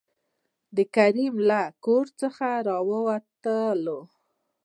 د کريم له کور څخه ووتل.